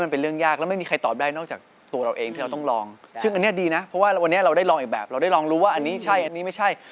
เพราะว่าวันนี้เราได้ลองอีกแบบเราได้ลองรู้ว่าอันนี้ใช่อันนี้ไม่ใช่